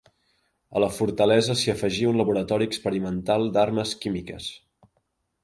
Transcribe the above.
A la fortalesa s'hi afegí un laboratori experimental d'armes químiques.